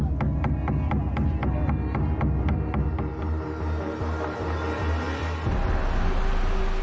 มาต่อกันทีพิธีฝังศพของชาวมงค์